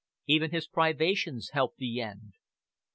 Even his privations helped the end.